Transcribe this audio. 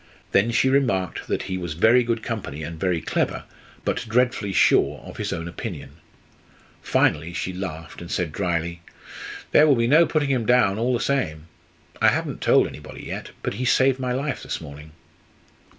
Then she remarked that he was very good company, and very clever, but dreadfully sure of his own opinion. Finally she laughed, and said drily: "There will be no putting him down all the same. I haven't told anybody yet, but he saved my life this morning."